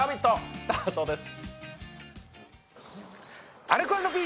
スタートです。